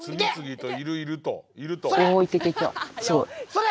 それ！